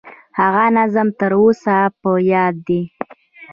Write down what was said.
هغه نظم تر اوسه په یاد دي.